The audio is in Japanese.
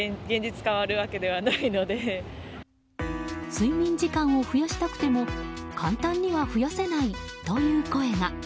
睡眠時間を増やしたくても簡単には増やせないという声が。